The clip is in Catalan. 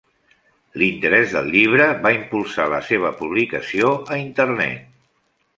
L'interès del llibre va impulsar la seva publicació a Internet.